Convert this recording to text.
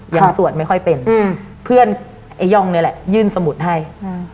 สวดไม่ค่อยเป็นอืมเพื่อนไอ้ย่องเนี้ยแหละยื่นสมุดให้อืม